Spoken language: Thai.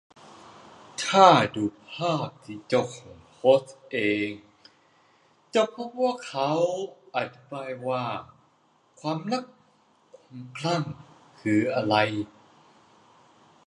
ถ้าดูภาพที่เจ้าของโพสเองจะพบว่าเขาอธิบายว่า ความรัก ความคลั่งคืออะไร